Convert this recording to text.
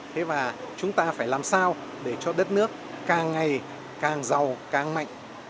thế và chúng ta phải làm sao để cho đất nước càng ngày càng giàu càng mạnh